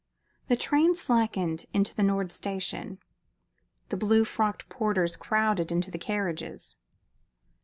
The train slackened into the Nord Station. The blue frocked porters crowded into the carriages.